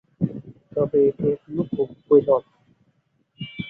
তবে এটি এখনও খুব বিরল।